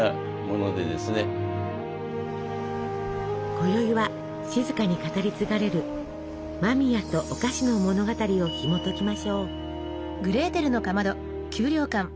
こよいは静かに語り継がれる間宮とお菓子の物語をひもときましょう。